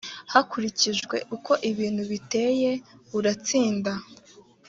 hakurikijwe uko ibintu biteye uratsinda